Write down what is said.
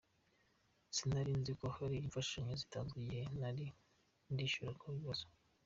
Sinari nzi ko hari imfashanyo yatanzwe igihe nariko ndishura ku bibazo.